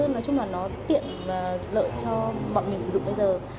nói chung là nó tiện và lợi cho bọn mình sử dụng bây giờ